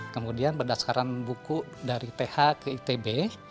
kemudian berdasarkan buku dari th ke itb